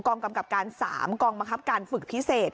กองกำกัดการสามกองมะครับการฝึกพิเศษ